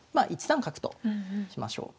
１三角としましょう。